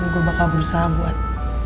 gue bakal berusaha buat